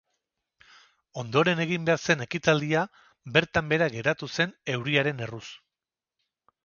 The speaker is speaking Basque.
Ondoren egin behar zen ekitaldia bertan behera geratu zen euriaren erruz.